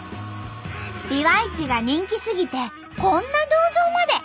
ビワイチが人気すぎてこんな銅像まで！